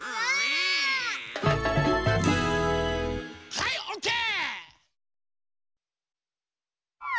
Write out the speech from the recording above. はいオッケー！